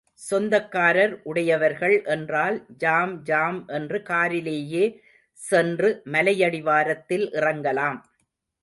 சொந்தக்கார் உடையவர்கள் என்றால் jam jam என்று காரிலேயே சென்று மலையடிவாரத்தில் இறங்கலாம்.